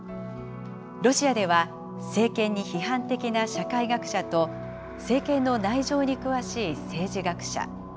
ロシアでは、政権に批判的な社会学者と、政権の内情に詳しい政治学者。